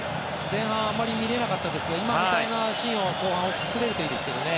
前半はあまり見れなかったですけど今みたいなシーンを後半は作れるといいですけどね。